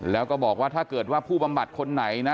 แล้วก็บอกว่าถ้าเกิดว่าผู้บำบัดคนไหนนะ